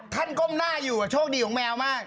ก้มหน้าอยู่โชคดีของแมวมาก